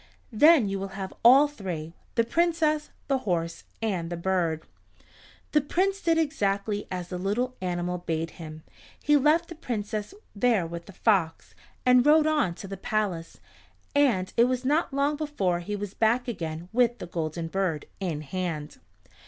Then you will have all three, the Princess, the horse, and the bird." The Prince did exactly as the little animal bade him. He left the Princess there with the fox, and rode on to the palace, and it was not long before he was back again with the Golden Bird in his hand.